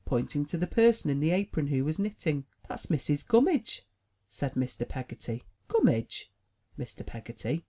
pointing to the person in the apron who was knitting. "That's Missis Gummidge," said Mr. Peggotty. "Gummidge, Mr. Peggotty?"